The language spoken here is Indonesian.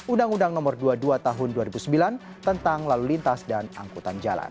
undang undang nomor dua puluh dua tahun dua ribu sembilan tentang lalu lintas dan angkutan jalan